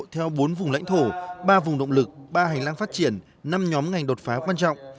theo bốn vùng lãnh thổ ba vùng động lực ba hành lang phát triển năm nhóm ngành đột phá quan trọng